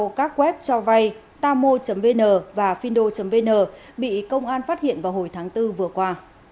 các web cho vay tamo vn và findo vn bị công an phát hiện vào hồi tháng bốn vừa qua